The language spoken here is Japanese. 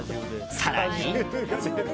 更に。